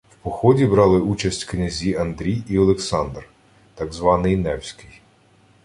В поході брали участь князі Андрій і Олександр, так званий Невський